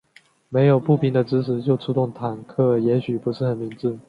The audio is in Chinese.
没有步兵的支持就出动坦克也许不是很明智。